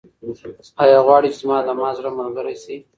ایا غواړې چې زما د مات زړه ملګرې شې؟